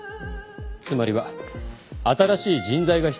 つまりは新しい人材が必要かと。